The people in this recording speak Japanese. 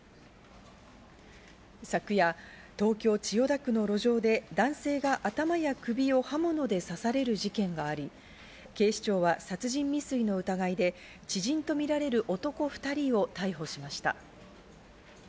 昨夜、東京・千代田区の路上で男性が頭や首を刃物で刺される事件があり、警視庁は殺人未遂の疑いで、知人とみられる男２人を逮捕しました。